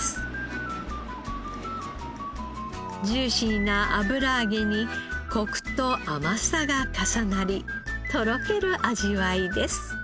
ジューシーな油揚げにコクと甘さが重なりとろける味わいです。